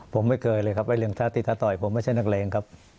ผมไม่เคยเลยครับไอ้เรื่องท้าตีท้าต่อยผมไม่ใช่นักเลงครับ